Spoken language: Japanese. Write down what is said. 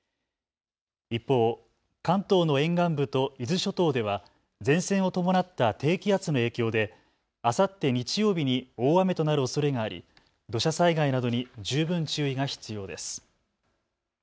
一方、関東の沿岸部と伊豆諸島では前線を伴った低気圧の影響であさって日曜日に大雨となるおそれがあり土砂災害などに十分注意が必要です。